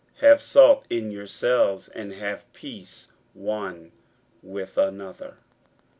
Have salt in yourselves, and have peace one with another.